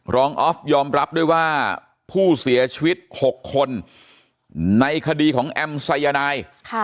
ออฟยอมรับด้วยว่าผู้เสียชีวิต๖คนในคดีของแอมสายนาย